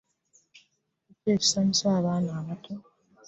Kiki ekisanyusa abaana abato.